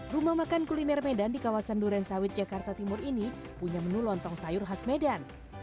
rumah makan kuliner medan di kawasan duren sawit jakarta timur ini punya menu lontong sayur khas medan